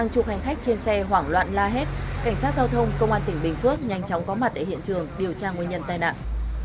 các giao thông công an tỉnh bình phước nhanh chóng có mặt tại hiện trường điều tra nguyên nhân tai nạn